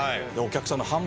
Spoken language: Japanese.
お客さんの。